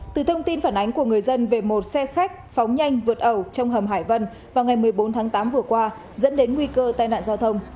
từ thông tin phản ánh của người dân về một xe khách phóng nhanh vượt ẩu trong hầm hải vân vào ngày một mươi bốn tháng tám vừa qua dẫn đến nguy cơ tai nạn giao thông